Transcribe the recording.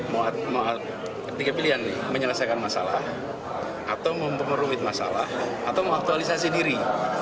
mau ketiga pilihan nih menyelesaikan masalah atau mau memerlukan masalah atau mau aktualisasi diri